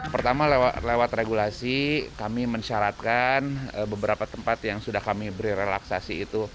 pertama lewat regulasi kami mensyaratkan beberapa tempat yang sudah kami beri relaksasi itu